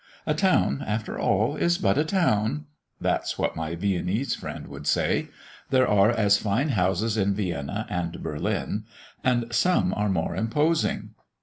"A town, after all, is but a town"; that's what my Viennese friend would say. "There are as fine houses in Vienna and Berlin, and some are more imposing.